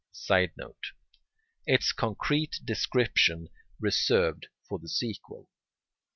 [Sidenote: Its concrete description reserved for the sequel.